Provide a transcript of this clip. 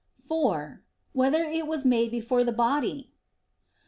(4) Whether it was made before the body?